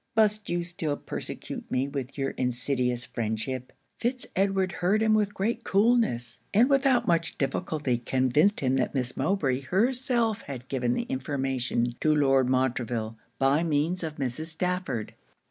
must you still persecute me with your insidious friendship?' Fitz Edward heard him with great coolness; and without much difficulty convinced him that Miss Mowbray herself had given the information to Lord Montreville by means of Mrs. Stafford.